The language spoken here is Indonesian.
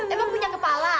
emang punya kepala